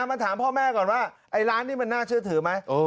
มาถามพ่อแม่ก่อนว่าไอ้ร้านนี้มันน่าเชื่อถือไหม